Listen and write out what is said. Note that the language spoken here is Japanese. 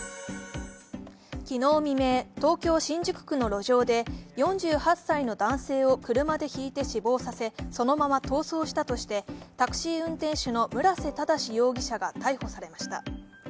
昨日未明、東京・新宿区の路上で、４８歳の男性を車でひいて死亡させ、そのまま逃走したとして、タクシー運転手の村瀬正容疑者が逮捕されました。